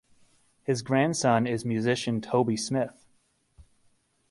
His grandson is musician Toby Smith.